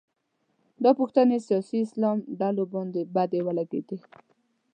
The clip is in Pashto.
دا پوښتنې سیاسي اسلام ډلو باندې بدې ولګېدې